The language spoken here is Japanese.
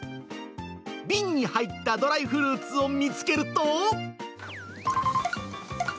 瓶に入ったドライフルーツを見つけると。